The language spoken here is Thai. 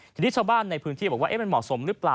ทีนี้ชาวบ้านในพื้นที่บอกว่ามันเหมาะสมหรือเปล่า